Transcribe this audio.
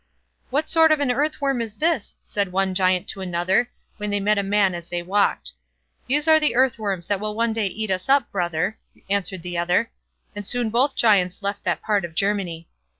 "What sort of an earthworm is this?" said one Giant to another, when they met a man as they walked. "These are the earthworms that will one day eat us up, brother," answered the other; and soon both Giants left that part of Germany.